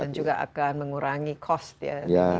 juga akan mengurangi cost ya